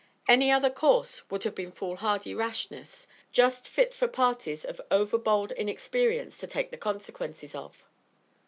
Any other course would have been fool hardy rashness, just fit for parties of over bold inexperience to take the consequences of.